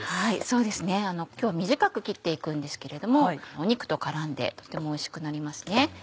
そうですね今日は短く切って行くんですけれども肉と絡んでとてもおいしくなりますね。